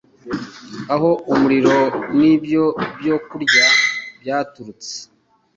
aho umuriro n'ibyo byo kurya byaturutse.